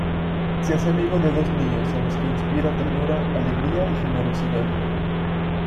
Se hace amigo de dos niños a los que inspira ternura, alegría y generosidad.